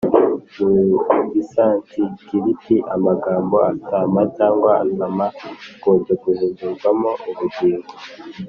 mu gisansikiriti, amagambo ātma cyangwa ātman, akunze guhindurwamo ubugingo